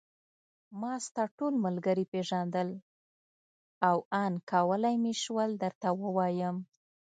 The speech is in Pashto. ما ستا ټول ملګري پېژندل او آن کولای مې شول درته ووایم.